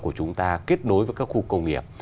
của chúng ta kết nối với các khu công nghiệp